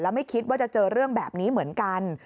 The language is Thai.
ไม่คิดว่าจะเจอเรื่องแบบนี้เหมือนกัน